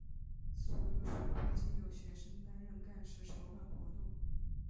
所有学会均由学生担任干事筹办活动。